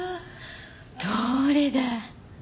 どうりで。